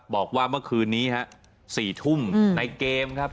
บอกว่าเมื่อคืนนี้ฮะ๔ทุ่มในเกมครับ